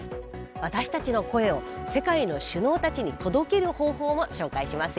私たちの声を世界の首脳たちに届ける方法も紹介しますよ。